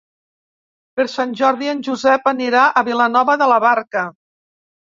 Per Sant Jordi en Josep anirà a Vilanova de la Barca.